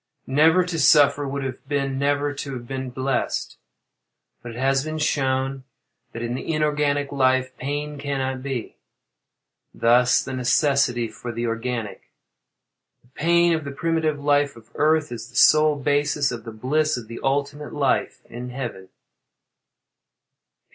Never to suffer would have been never to have been blessed. But it has been shown that, in the inorganic life, pain cannot be thus the necessity for the organic. The pain of the primitive life of Earth, is the sole basis of the bliss of the ultimate life in Heaven.